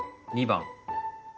２番。